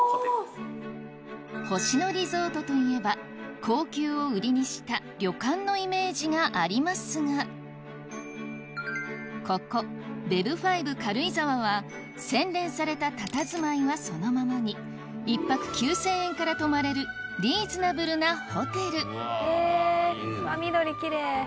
星野リゾートといえば高級を売りにした旅館のイメージがありますがここＢＥＢ５軽井沢は洗練されたたたずまいはそのままに１泊９０００円から泊まれるリーズナブルなホテル緑きれい。